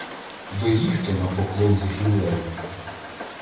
До їх-то на поклон з гіллею